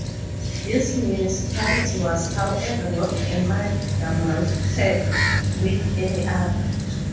This municipality was, however, not amalgamated with any other.